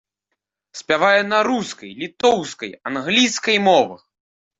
Спявае на рускай, літоўскай, англійскай мовах.